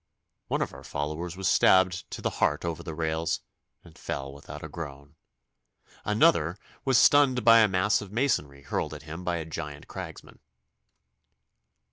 One of our followers was stabbed to the heart over the rails, and fell without a groan. Another was stunned by a mass of masonry hurled at him by a giant cragsman.